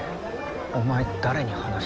お前誰に話した。